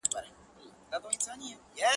o اوس مي هم ياد ته ستاد سپيني خولې ټپه راځـي.